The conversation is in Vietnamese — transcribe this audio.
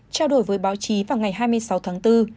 trao đổi với báo chí vào ngày hai mươi sáu tháng bốn